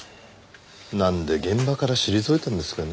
なんで現場から退いたんですかね。